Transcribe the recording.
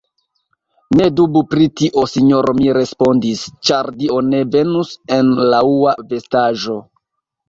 Ne dubu pri tio, sinjoro, mi respondis, Ĉar Dio ne venus en laŭa vestaĵo.